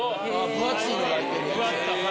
分厚いのがいけるやつ。